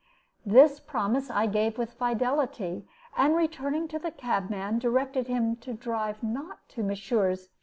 This promise I gave with fidelity, and returning to the cabman, directed him to drive not to Messrs.